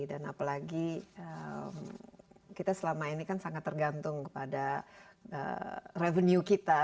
dan apalagi kita selama ini sangat tergantung kepada revenue kita